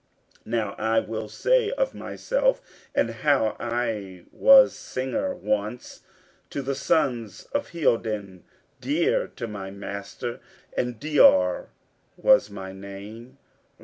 Now I will say of myself, and how I was singer once to the sons of Heoden, dear to my master, and Deor was my name.